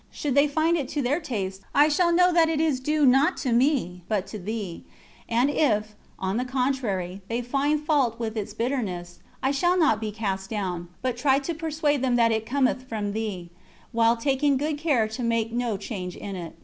Should they find it to their taste, I shall know that this is due not to me, but to Thee; and if, on the contrary, they find fault with its bitterness, I shall not be cast down, but try to persuade them that it cometh from Thee, while taking good care to make no change in it."